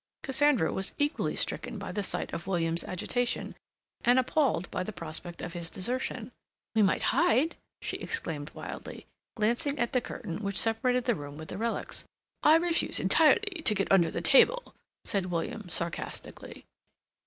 Cassandra was equally stricken by the sight of William's agitation, and appalled by the prospect of his desertion. "We might hide," she exclaimed wildly, glancing at the curtain which separated the room with the relics. "I refuse entirely to get under the table," said William sarcastically.